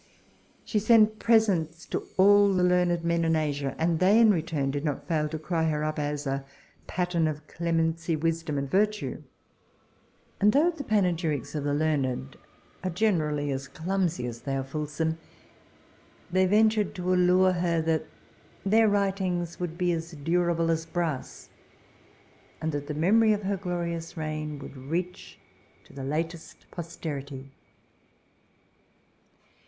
She sent presents to all the learned men in Asia; and they in return did not fail to cry her up as a pattern of clemency, wisdom, and virtue: and though the panegyrics of the learned are generally as clumsy as they are fulsome, they ventured to allure her that their writings would be as durable as brass, and that the memory of her glorious reign would reach to the latest posterity.